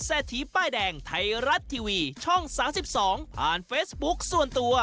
เศรษฐีป้ายแดงไทยรัฐทีวีช่อง๓๒ผ่านเฟซบุ๊คส่วนตัว